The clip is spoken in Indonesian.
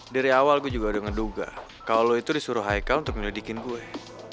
dari awal gue juga udah ngeduga kalau lo itu disuruh haikal untuk menyelidikin gue